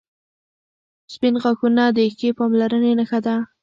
• سپین غاښونه د ښې پاملرنې نښه ده.